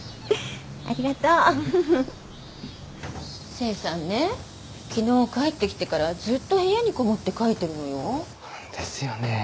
清さんね昨日帰ってきてからずっと部屋にこもって書いてるのよ。ですよね。